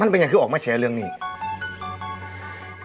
มันเป็นยังไงวะออกมาแชร์เรื่องนี้มาแชร์เรื่องนี้